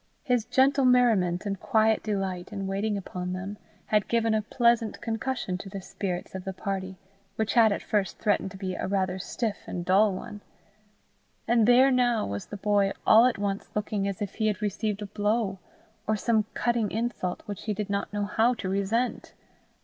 His gentle merriment and quiet delight in waiting upon them, had given a pleasant concussion to the spirits of the party, which had at first threatened to be rather a stiff and dull one; and there now was the boy all at once looking as if he had received a blow, or some cutting insult which he did not know how to resent!